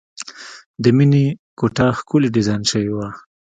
د مینې کوټه ښکلې ډیزاین شوې وه